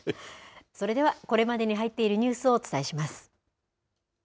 それではこれまでに入っているニュースをお伝えします。